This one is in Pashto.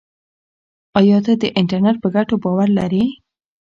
ایا ته د انټرنیټ په ګټو باور لرې؟